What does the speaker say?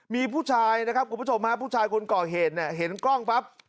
มีผู้ชายนะครับคุณผู้ชมผู้ชายคุณก่อเห็นกล้องปั๊บ